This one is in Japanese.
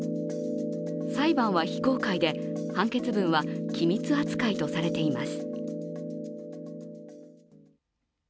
裁判は非公開で、判決文は機密扱いとされています。